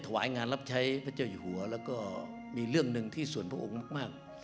วายงานรับใช้พระเจ้าอยู่หัวแล้วก็มีเรื่องหนึ่งที่ส่วนพระองค์มาก